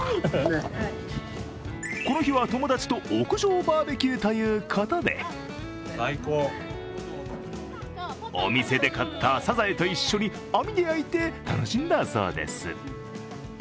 この日は友達と屋上バーベキューということでお店で買ったサザエと一緒に網で焼いて楽しんだそうです。